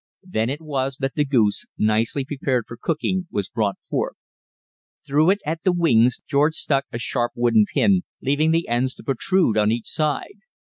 Then it was that the goose, nicely prepared for cooking, was brought forth. Through it at the wings George stuck a sharp wooden pin, leaving the ends to protrude on each side.